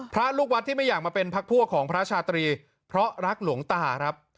ลูกวัดที่ไม่อยากมาเป็นพักพวกของพระชาตรีเพราะรักหลวงตาครับ